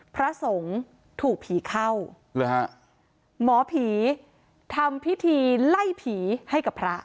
พระสงฆ์ถูกผีเข้าหรือฮะหมอผีทำพิธีไล่ผีให้กับพระ